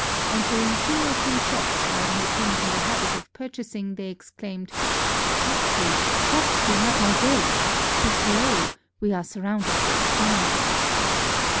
En tering two or three shops where I had been in the habit of purchasing, they exclaimed, "Softly! softly! made moiselle; speak low, we are surrounded with spies."